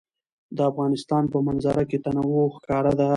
د افغانستان په منظره کې تنوع ښکاره ده.